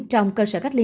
trong cơ sở cách ly